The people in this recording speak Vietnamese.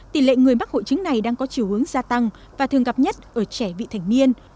tỷ lệ người mắc hội chứng này đang có chiều hướng gia tăng và thường gặp nhất ở trẻ vị thành niên